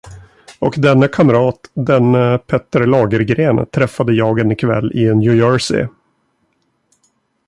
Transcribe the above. Och denne kamrat, denne Petter Lagergren, träffade jag en kväll i New Jersey!